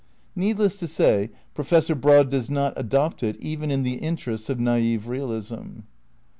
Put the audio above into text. " Needless to say Professor Broad does not adopt it even in the interests of naif realism.